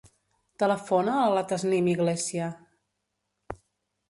Telefona a la Tasnim Iglesia.